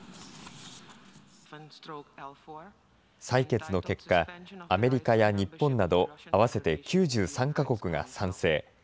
採決の結果、アメリカや日本など合わせて９３か国が賛成。